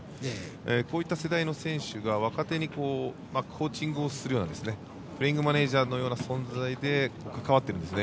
こういった世代の選手が若手にコーチングをするようなプレーイングマネージャーのような存在で関わっているんですね。